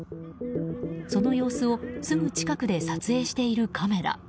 その様子をすぐ近くで撮影しているカメラ。